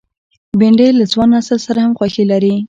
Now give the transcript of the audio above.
بېنډۍ له ځوان نسل سره هم خوښي لري